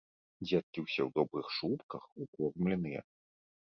Дзеткі ўсе ў добрых шубках, укормленыя.